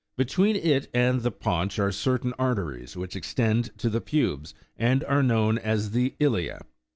Between it and the paunch are certain arteries, which extend to the pubes, and are known as the " ilia."